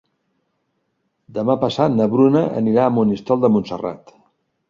Demà passat na Bruna anirà a Monistrol de Montserrat.